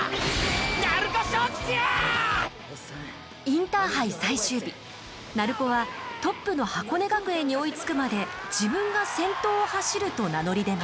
インターハイ最終日鳴子はトップの箱根学園に追いつくまで自分が先頭を走ると名乗り出ます。